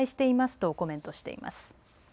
とコメントしています。